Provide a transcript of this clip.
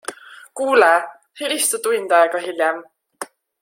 Kuule, helista tund aega hiljem.